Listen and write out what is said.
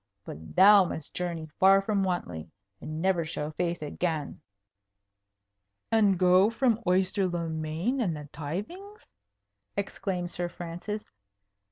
But thou must journey far from Wantley, and never show face again." "And go from Oyster le Main and the tithings?" exclaimed Sir Francis.